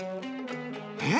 え？